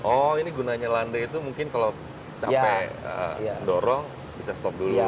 oh ini gunanya landai itu mungkin kalau capek dorong bisa stop dulu gitu ya